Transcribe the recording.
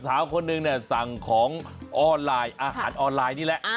สาวคนนึงเนี่ยสั่งของออนไลน์อาหารออนไลน์นี่แหละ